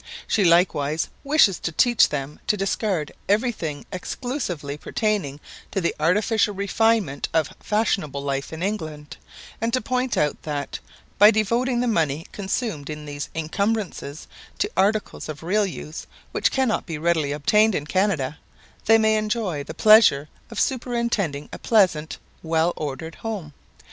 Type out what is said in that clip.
She likewise wishes to teach them to discard every thing exclusively pertaining to the artificial refinement of fashionable life in England; and to point out that, by devoting the money consumed in these incumbrances to articles of real use, which cannot be readily obtained in Canada, they may enjoy the pleasure of superintending a pleasant, well ordered home.